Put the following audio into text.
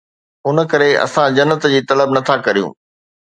ان ڪري اسان جنت جي طلب نٿا ڪريون